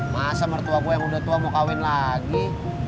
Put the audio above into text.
masa mertua gue yang udah tua mau kawin lagi